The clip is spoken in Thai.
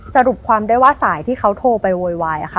สรุปความได้ว่าสายที่เขาโทรไปโวยวายค่ะ